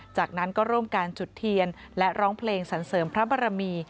จากนั้นก็ร่วมการจุดเทียนและร้องเพลงสรรเสริมพระบรมี